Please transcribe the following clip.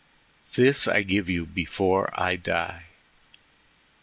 This I give you before I die.